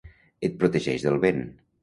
Et protegeix del vent.